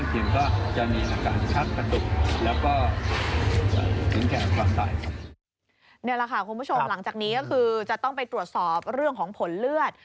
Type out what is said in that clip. นี่แหละค่ะคุณผู้ชมหลังจากนี้ก็คือจะต้องไปตรวจสอบเรื่องของผลเลือด